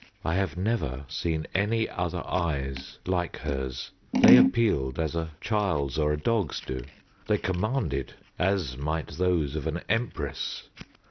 I have never seen any other eyes like hers. They appealed, as a child's or a dog's do; they commanded, as might those of an empress.